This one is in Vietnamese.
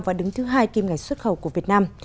và đứng thứ hai kim ngạch xuất khẩu của việt nam